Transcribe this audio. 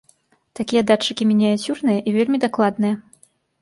Такія датчыкі мініяцюрныя і вельмі дакладныя.